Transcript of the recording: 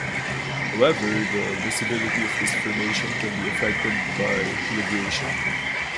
However the visibility of this formation can be affected by libration.